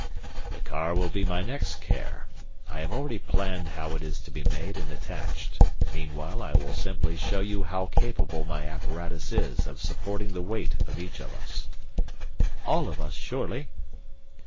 "The car will be my next care. I have already planned how it is to be made and attached. Meanwhile I will simply show you how capable my apparatus is of supporting the weight of each of us." "All of us, surely?"